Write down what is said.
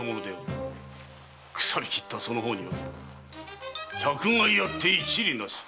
腐りきったその方に百害あって一利なし！